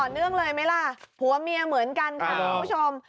เนื่องเลยไหมล่ะผัวเมียเหมือนกันค่ะคุณผู้ชม